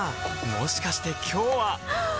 もしかして今日ははっ！